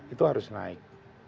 itu harus naik